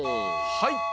はい！